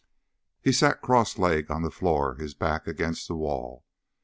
He sat cross legged on the floor, his back against the wall.